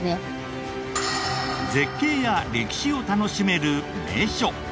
絶景や歴史を楽しめる名所。